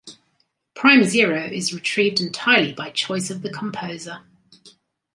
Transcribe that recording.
"Prime zero" is retrieved entirely by choice of the composer.